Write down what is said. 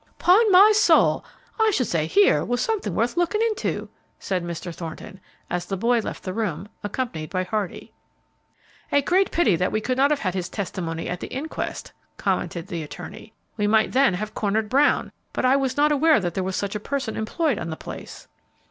"'Pon my soul! I should say here was something worth looking into," said Mr. Thornton, as the boy left the room, accompanied by Hardy. "A great pity that we could not have had his testimony at the inquest," commented the attorney. "We might then have cornered Brown; but I was not aware that there was such a person employed on the place."